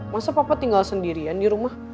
masa papa tinggal sendirian di rumah